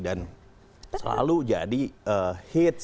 dan selalu jadi hits